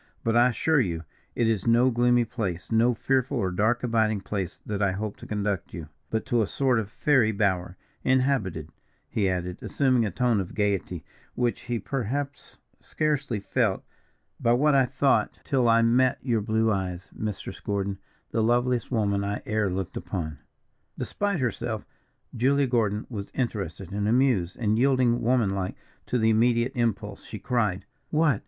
But, I assure you, it is no gloomy place, no fearful or dark abiding place, that I hope to conduct you, but to a sort of fairy bower, inhabited," he added, assuming a tone of gayety which he perhaps scarcely felt "by what I thought, till I met your blue eyes, Mistress Gordon, the loveliest woman I e'er looked upon." Despite herself, Julia Gordon was interested and amused, and yielding, womanlike to the immediate impulse, she cried: "What!